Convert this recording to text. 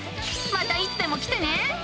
またいつでも来てね。